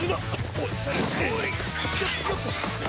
おっしゃるとおり！